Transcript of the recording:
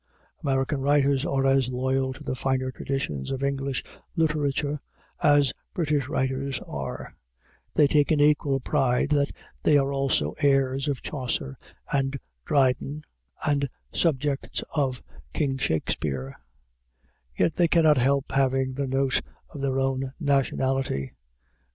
American writers are as loyal to the finer traditions of English literature as British writers are; they take an equal pride that they are also heirs of Chaucer and Dryden and subjects of King Shakspere; yet they cannot help having the note of their own nationality.